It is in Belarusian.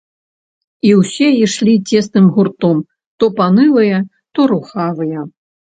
І ўсе ішлі цесным гуртам то панылыя, то рухавыя.